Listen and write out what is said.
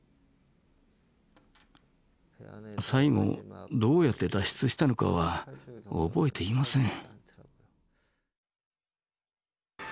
最後どうやって脱出したのかは覚えていません。